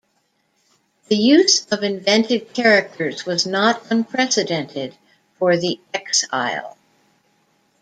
The use of invented characters was not unprecedented for "the eXile".